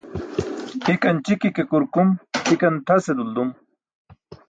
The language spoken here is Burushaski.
Hikan ći̇ki̇ ke kurkum, hikan tʰase duldum.